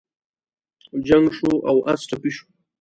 جنګ شو او اس ټپي شو.